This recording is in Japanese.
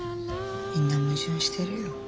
みんな矛盾してるよ